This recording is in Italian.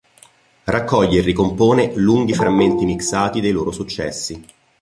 Raccoglie e ricompone lunghi frammenti mixati dei loro successi.